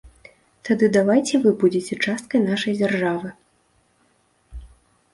Тады давайце вы будзеце часткай нашай дзяржавы.